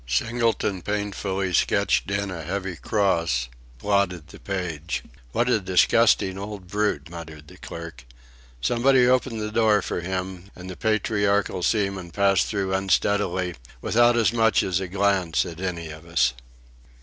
Singleton painfully sketched in a heavy cross, blotted the page. "What a disgusting old brute," muttered the clerk. Somebody opened the door for him, and the patriarchal seaman passed through unsteadily, without as much as a glance at any of us.